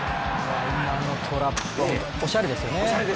今のトラップはおしゃれですよね。